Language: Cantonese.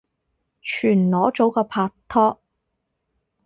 全裸早過拍拖